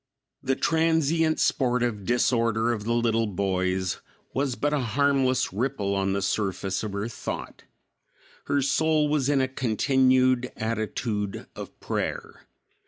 The transient, sportive disorder of the little boys was but a harmless ripple on the surface of her thought. Her soul was in a continued attitude of prayer.